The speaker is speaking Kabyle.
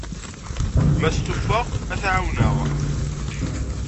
Ma stufaɣ, ad t-ɛawneɣ.